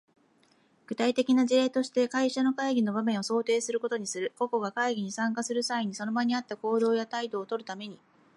具体的な事例として、会社の会議の場面を想定することにする。個々が会議に参加する際に、その場に合った行動や態度をとるために、他の参加者が自分から何を期待しているかを理解する必要がある。